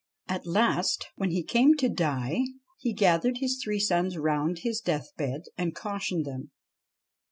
At last, when he came to die, he gathered his three sons round his deathbed and cautioned them.